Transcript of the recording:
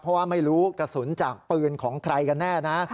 เพราะว่าไม่รู้กระสุนจากปืนของใครกันแน่นะ